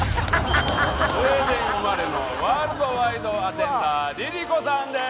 スウェーデン生まれのワールドワイドアテンダーＬｉＬｉＣｏさんです！